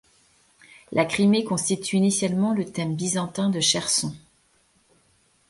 La Crimée constitue initialement le thème byzantin de Cherson.